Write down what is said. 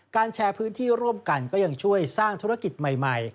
แชร์พื้นที่ร่วมกันก็ยังช่วยสร้างธุรกิจใหม่